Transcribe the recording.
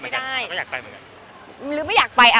เนื้อหาดีกว่าน่ะเนื้อหาดีกว่าน่ะ